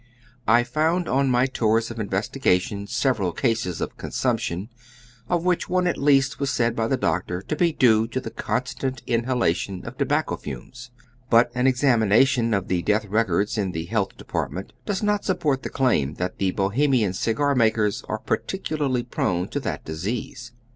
I found on my tours of investigation several cases of con sumption, of which one at least was said by the doctor to be due to the constant inhalation of tobacco fumes. But an examination of the death records in the Health Depart ment does not support the claim that the Bohemian cigar makers are peculiarly prone to that disease.